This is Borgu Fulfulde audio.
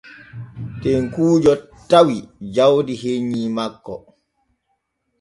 Tekkuujo tawi jawdi hennyi makko.